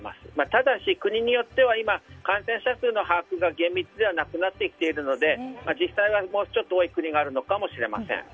ただし、国によっては感染者数の把握が厳密ではなくなってきているので実際はもうちょっと多い国があるのかもしれません。